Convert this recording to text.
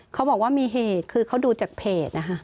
เขาบอกว่ามีเหตุคือเขาดูจากเพจนะคะ